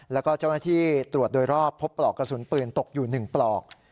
แล้วก็เจ้าหน้าที่ตรวจโดยรอบพบปลอกกระสุนปืนตกอยู่๑ปลอก